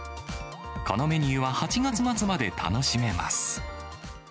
このメニューは、８月末まで楽しめます。